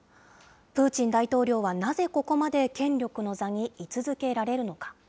プーチン大統領はなぜここまで権力の座に居続けられるのか。